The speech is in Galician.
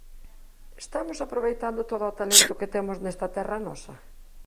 Estamos aproveitando todo o talento que temos nesta terra nosa?